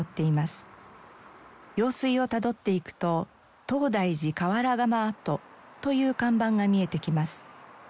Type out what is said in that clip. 用水をたどっていくと東大寺瓦窯跡という看板が見えてきます。